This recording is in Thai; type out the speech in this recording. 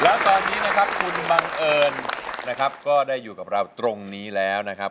แล้วตอนนี้นะครับคุณบังเอิญนะครับก็ได้อยู่กับเราตรงนี้แล้วนะครับ